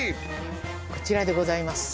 こちらでございます。